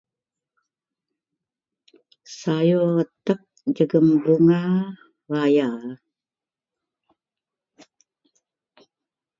sayur retek jegum bunga raya